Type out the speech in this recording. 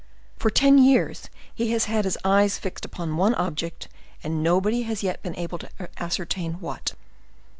For ten years he has had his eyes fixed upon one object, and nobody has yet been able to ascertain what.